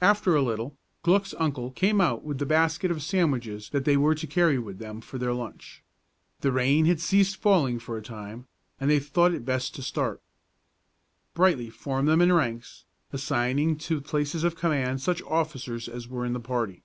After a little Glück's uncle came out with the basket of sandwiches that they were to carry with them for their lunch. The rain had ceased falling for a time, and they thought it best to start. Brightly formed them in ranks, assigning to places of command such officers as were in the party.